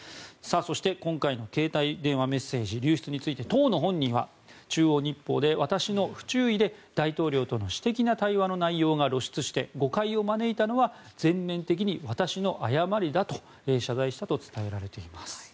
そして今回の携帯電話メッセージ流出について当の本人は、中央日報で私の不注意で大統領との私的な対話の内容が露出して誤解を招いたのは全面的に私の誤りだと謝罪したと伝えられています。